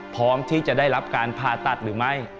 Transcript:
พร้อมที่จะได้รับการผ่าตัดหรือไม่